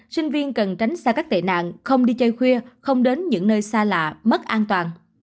sinh viên cần tránh xa các tệ nạn không đi chơi khuya không đến những nơi xa lạ mất an toàn